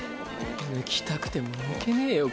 抜きたくても抜けねぇよ